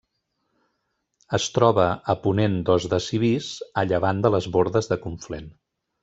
Es troba a ponent d'Os de Civís, a llevant de les Bordes de Conflent.